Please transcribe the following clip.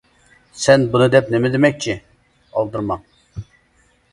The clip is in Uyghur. سەن بۇنى دەپ نېمە دېمەكچى؟ -ئالدىرىماڭ.